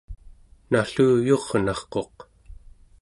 nalluyurnarquq